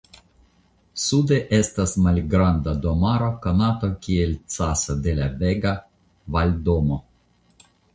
Sude estas malgranda domaro konata kiel "Casa de la Vega" (Valdomo).